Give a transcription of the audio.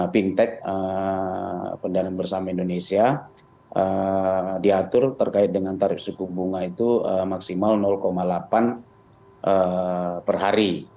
fintech pendanaan bersama indonesia diatur terkait dengan tarif suku bunga itu maksimal delapan per hari